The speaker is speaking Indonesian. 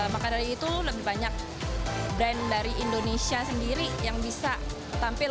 maka dari itu lebih banyak brand dari indonesia sendiri yang bisa tampil